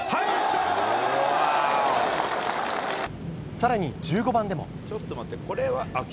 更に１５番でも。